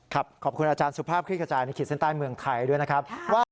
ขอบคุณอาจารย์สุภาพคลิกกระจายในขีดเส้นใต้เมืองไทยด้วยนะครับว่า